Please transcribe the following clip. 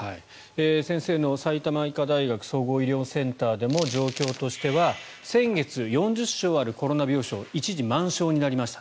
先生の埼玉医科大学総合医療センターでも状況としては先月、４０床あるコロナ病床一時、満床になりました。